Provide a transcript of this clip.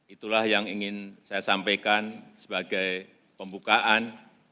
itulah yang ingin saya sampaikan sebagai pembukaan